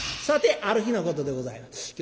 さてある日のことでございます。